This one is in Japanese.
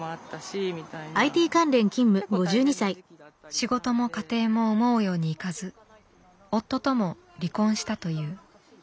仕事も家庭も思うようにいかず夫とも離婚したという。